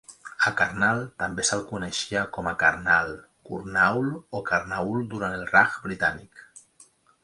A Karnal també s'el coneixia com Karnaal, Kurnaul o Karnaul durant el Raj britànic.